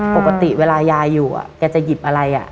ปกติเวลายายอยู่แกจะหยิบอะไร